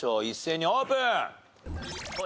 一斉にオープン！